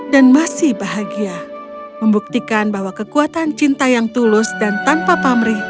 dan masih bahagia membuktikan bahwa kekuatan cinta yang tulus dan tanpa pamrih